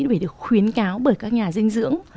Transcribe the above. phải được khuyến cáo bởi các nhà dinh dưỡng